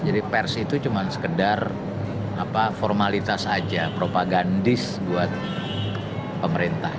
jadi pers itu cuma sekedar formalitas saja propagandis buat pemerintah